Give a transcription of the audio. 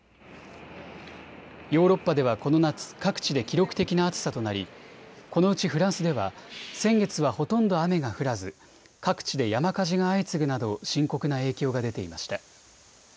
ヨーロッパではこの夏各地で記録的な暑さとなりこのうちフランスでは先月はほとんど雨が降らず、各地で山火事が相次ぐなど深刻な影響が出ていました。